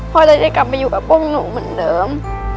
เราจะได้กลับมาอยู่กับพวกหนูเหมือนเดิม